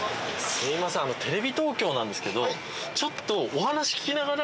すみませんテレビ東京なんですけどちょっと。